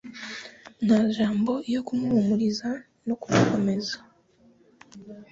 nta jambo iyo kumuhumuriza no kumukomeza